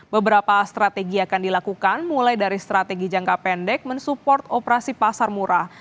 beberapa strategi akan dilakukan mulai dari strategi jangka pendek mensupport operasi pasar murah